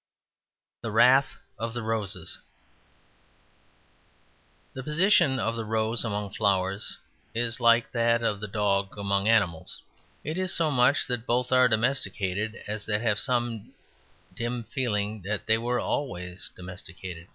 The Wrath of the Roses The position of the rose among flowers is like that of the dog among animals. It is so much that both are domesticated as that have some dim feeling that they were always domesticated.